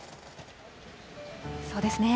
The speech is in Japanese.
そうですね。